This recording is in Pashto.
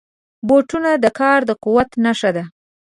بوټونه د کار د قوت نښه ده.